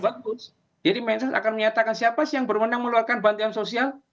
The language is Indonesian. oh iya bagus jadi mensos akan menyatakan siapa sih yang bermenang meluarkan bantuan sosial